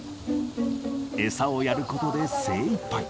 餌をやることで精いっぱい。